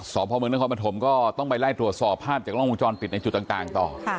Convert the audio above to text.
สอบพมธบรรธมก็ต้องไปไล่ตรวจสอบห้ามจากล้องมุมจรปิดในจุดต่างต่อ